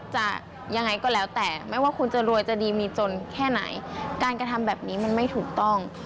จนแค่ไหนการกระทำแบบนี้มันไม่ถูกต้อง